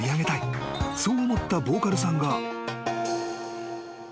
［そう思ったボーカルさんが］